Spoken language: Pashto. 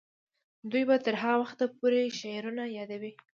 دوی به تر هغه وخته پورې شعرونه یادوي.